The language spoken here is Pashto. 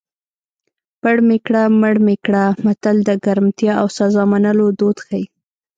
پړ مې کړه مړ مې کړه متل د ګرمتیا او سزا منلو دود ښيي